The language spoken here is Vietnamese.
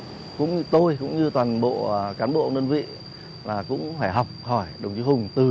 điều này mà chúng tôi cũng tôi cũng như toàn bộ cán bộ đơn vị là cũng phải học hỏi đồng chí hùng từ